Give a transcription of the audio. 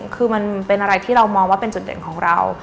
คือมันเป็นอะไรที่เรามองว่าเป็นจุดเด่นของเรา